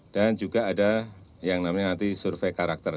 dan juga ada yang namanya nanti survei karakter